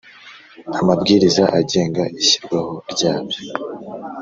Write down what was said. Amabwiriza agenga ishyirwaho ryabyo